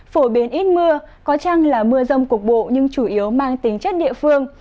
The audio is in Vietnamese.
phổ biến ít mưa có chăng là mưa rông cục bộ nhưng chủ yếu mang tính chất địa phương